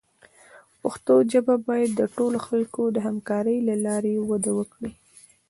پښتو ژبه باید د ټولو خلکو د همکارۍ له لارې وده وکړي.